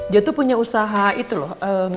dia tuh punya usaha itu loh